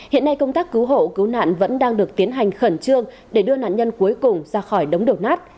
hiện nay công tác cứu hộ cứu nạn vẫn đang được tiến hành khẩn trương để đưa nạn nhân cuối cùng ra khỏi đống đổ nát